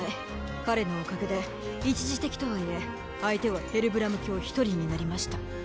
彼のおかげで一時的とはいえ相手はヘルブラム卿一人になりました。